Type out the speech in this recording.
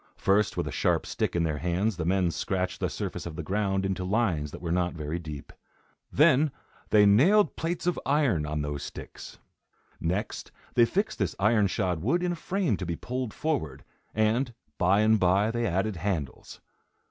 First, with a sharp stick in their hands, the men scratched the surface of the ground into lines that were not very deep. Then they nailed plates of iron on those sticks. Next, they fixed this iron shod wood in a frame to be pulled forward, and, by and by, they added handles.